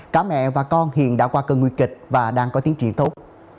cả mẹ và con hiện đã qua cơn nguy kịch và đang có tiếng trị thốt